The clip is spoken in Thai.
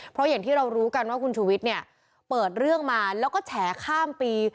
เพราะอย่างที่เรารู้กันว่าคุณชูวิทย์เนี่ยเปิดเรื่องมาแล้วก็แฉข้ามปี